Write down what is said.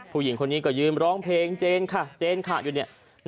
ผู้หญิงคนนี้ก็ยืนร้องเพลงเจนค่ะเจนค่ะอยู่เนี่ย